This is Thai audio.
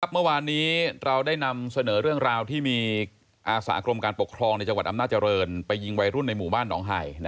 เมื่อวานนี้เราได้นำเสนอเรื่องราวที่มีอาสากรมการปกครองในจังหวัดอำนาจริงไปยิงวัยรุ่นในหมู่บ้านหนองหาย